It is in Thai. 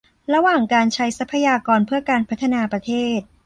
ระหว่างการใช้ทรัพยากรเพื่อการพัฒนาประเทศ